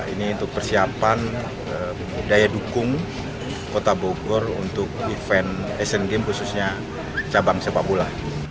ini untuk persiapan daya dukung kota bogor untuk event asian games khususnya cabang sepak bola